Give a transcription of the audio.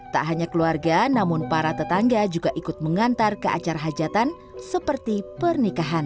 tak hanya keluarga namun para tetangga juga ikut mengantar ke acara hajatan seperti pernikahan